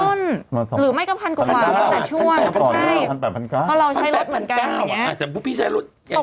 เมื่อก่อนเท่าไหร่